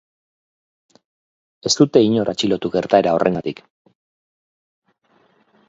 Ez dute inor atxilotu gertaera horrengatik.